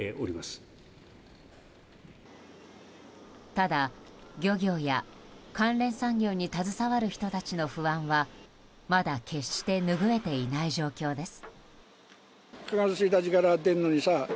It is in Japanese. ただ、漁業や関連産業に携わる人たちの不安はまだ、決して拭えていない状況です。